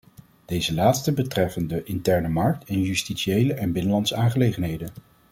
Deze laatste betreffen de interne markt en justitiële en binnenlandse aangelegenheden.